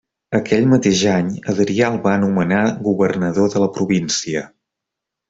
Aquell mateix any, Adrià el va anomenar governador de la província.